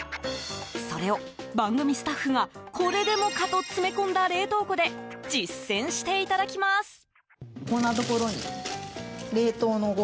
それを番組スタッフがこれでもかと詰め込んだ冷凍庫で実践していただきます。